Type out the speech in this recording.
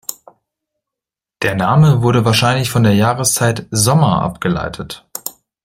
Der Name wurde wahrscheinlich von der Jahreszeit Sommer abgeleitet.